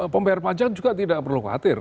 pembayar pajak juga tidak perlu khawatir